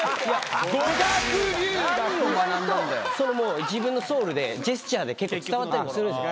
意外ともう自分のソウルでジェスチャーで結構伝わったりもするんですよ。